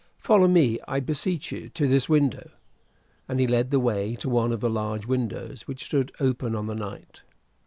Follow me, I beseech you, to this window." And he led the way to one of the large windows which stood open on the night.